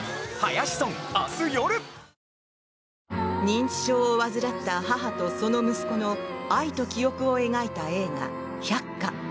認知症を患った母とその息子の愛と記憶を描いた映画「百花」。